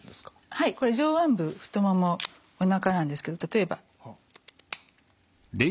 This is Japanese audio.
はいこれ上腕部太ももおなかなんですけど例えば。